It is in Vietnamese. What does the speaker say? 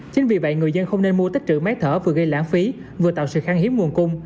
chính vì vậy người dân không nên mua tích trữ máy thở vừa gây lãng phí vừa tạo sự kháng hiếm nguồn cung